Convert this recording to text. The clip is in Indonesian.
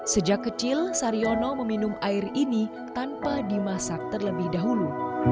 sejak kecil saryono meminum air ini tanpa dimasak terlebih dahulu